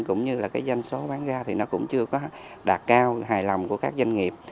cũng như là cái doanh số bán ra thì nó cũng chưa có đạt cao hài lòng của các doanh nghiệp